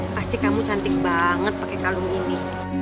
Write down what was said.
pasti kamu cantik banget pakai kalung ini